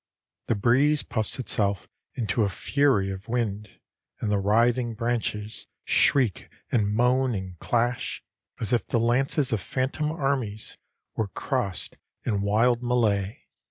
The breeze puffs itself into a fury of wind, and the writhing branches shriek and moan and clash as if the lances of phantom armies were crossed in wild mêlée.